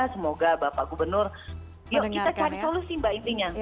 semoga bapak gubernur yuk kita cari solusi mbak intinya